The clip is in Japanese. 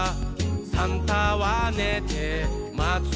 「サンタはねてまつのだ」